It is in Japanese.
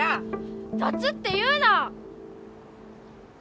「ざつ」って言うな！